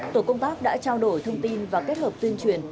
tổ công tác đã trao đổi thông tin và kết hợp tuyên truyền